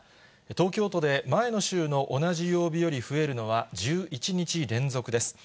東京都で前の週の同じ曜日より増えるのは１１日連続です。